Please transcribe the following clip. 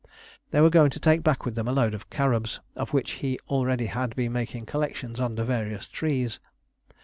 They were going to take back with them a load of carobs, of which he already had been making collections under various trees.